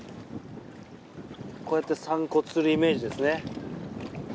こうやって散骨するイメージですね。